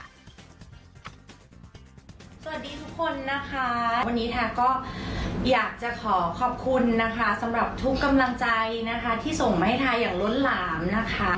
สวัสดีทุกคนนะคะวันนี้ไทยก็อยากจะขอขอบคุณนะคะสำหรับทุกกำลังใจนะคะที่ส่งมาให้ไทยอย่างล้นหลามนะคะ